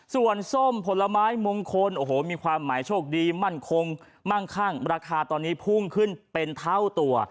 ส่วนส้มผลไม้มงคลโอ้โหมีความหมายโชคดีมั่นคงมั่งคั่งราคาตอนนี้พุ่งขึ้นเป็นเท่าตัว